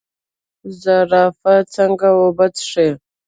زرافه څنګه اوبه څښي؟